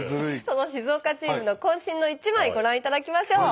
その静岡チームの渾身の一枚ご覧いただきましょう。